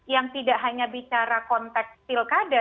yang tidak hanya bicara konteks pilkada